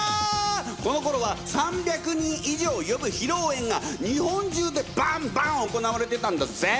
このころは３００人以上呼ぶ披露宴が日本中でバンバン行われてたんだぜ！